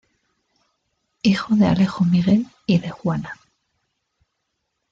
Hijo de Alejo Miguel y de Juana.